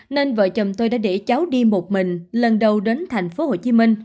nên vợ chồng tôi đã để cháu đi một mình lần đầu đến tp hcm